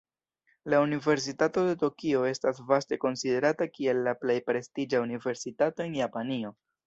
La Universitato de Tokio estas vaste konsiderata kiel la plej prestiĝa universitato en Japanio.